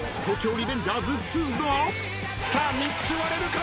さあ３つ割れるか？